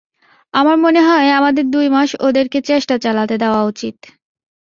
আমার মনে হয় আমাদের দুই মাস ওদেরকে চেষ্টা চালাতে দেওয়া উচিত।